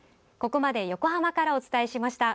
ここまで横浜からお伝えしました。